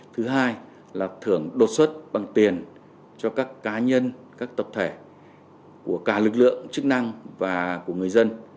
thứ hai là thưởng đột xuất bằng tiền cho các cá nhân các tập thể của cả lực lượng chức năng và của người dân